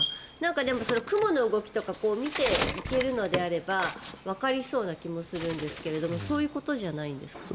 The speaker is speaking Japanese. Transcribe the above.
でも、雲の動きとか見ていけるのであればわかりそうな気もするんですけどそういうことじゃないんですか？